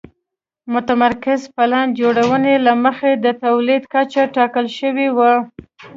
متمرکزې پلان جوړونې له مخې د تولید کچه ټاکل شوې وه.